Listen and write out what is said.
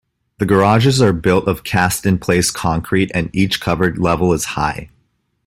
The garages are built of cast-in-place concrete and each covered level is high.